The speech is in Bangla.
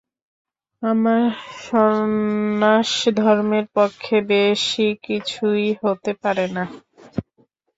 আমার সন্ন্যাসধর্মের পক্ষে বেশি কিছুই হতে পারে না।